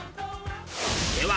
では